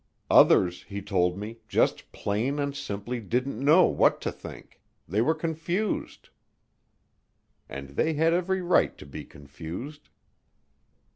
Others, he told me, just plainly and simply didn't know what to think they were confused. And they had every right to be confused.